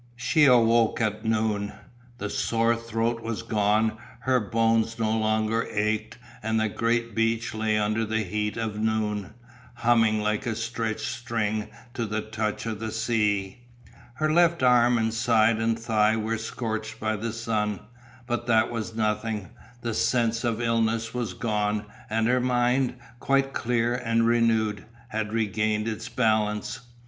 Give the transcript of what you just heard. She awoke at noon; the sore throat was gone, her bones no longer ached and the great beach lay under the heat of noon, humming like a stretched string to the touch of the sea. Her left arm and side and thigh were scorched by the sun, but that was nothing; the sense of illness was gone, and her mind, quite clear and renewed, had regained its balance.